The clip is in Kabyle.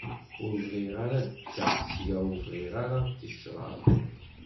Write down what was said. Ur bɣiɣ ara ad d-kkeɣ sya ur bɣiɣ ara ticraḍ.